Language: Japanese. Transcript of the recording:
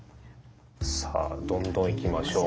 さあどんどんいきましょう。